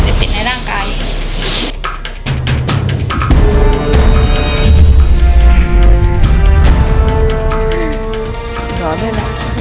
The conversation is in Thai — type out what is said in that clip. สวัสดีครับทุกคน